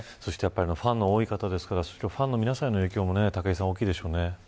ファンの多い方ですからファンの皆さんへの影響も大きいでしょうね。